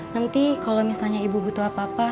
nanti kalau misalnya ibu butuh apa apa